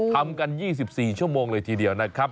ทำกัน๒๔ชั่วโมงเลยทีเดียวนะครับ